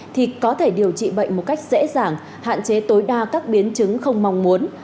thì có thể điều trị bệnh một cách dễ dàng hạn chế tối đa các biến chứng không mong muốn